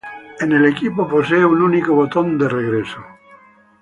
En el equipo posee un único botón de regreso.